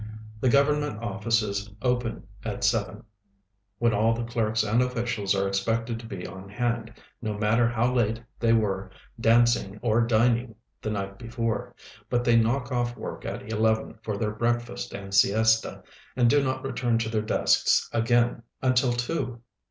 The government offices open at seven, when all the clerks and officials are expected to be on hand, no matter how late they were dancing or dining the night before, but they knock off work at eleven for their breakfast and siesta, and do not return to their desks again until two.